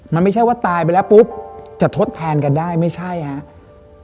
มันไม่ใช่ว่าตายไปแล้วปุ๊บจะทดแทนกันได้ไม่ใช่ครับ